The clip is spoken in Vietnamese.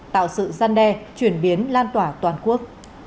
tạo sự gian đe chuyển biến lan tỏa toàn quốc